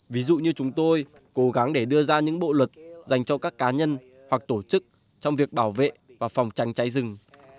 ví dụ như chúng tôi cố gắng để đưa ra những bộ luật dành cho các cá nhân hoặc tổ chức trong việc bảo vệ và phòng tránh cháy rừng